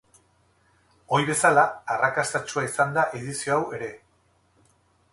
Ohi bezala, arrakastatsua izan da edizio hau ere.